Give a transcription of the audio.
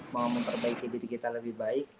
mau memperbaiki diri kita lebih baik